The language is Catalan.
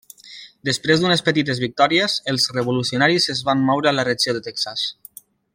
Després d'unes petites victòries, els revolucionaris es van moure a la regió de Texas.